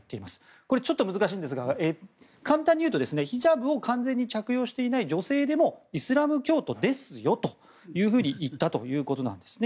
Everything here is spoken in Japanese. これ、ちょっと難しいんですが簡単に言うとヒジャブを適切に着用していない女性もイスラム教徒ですよというふうに言ったということなんです。